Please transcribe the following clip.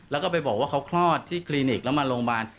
แล้วก็ไปบอกว่าเขาคลอดที่คลินิกแล้วมาโรงพยาบาล